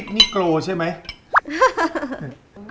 อันนี้คืออันนี้คือ